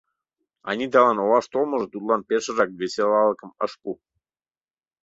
Аниталан олаш толмо тудлан пешыжак веселалыкым ыш пу.